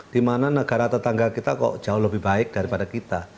dimana negara tetangga kita kok jauh lebih baik daripada kita